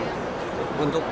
jadi kita berhutu